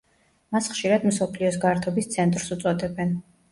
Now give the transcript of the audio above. მას ხშირად მსოფლიოს გართობის ცენტრს უწოდებენ.